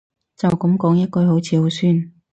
就噉講一句好似好酸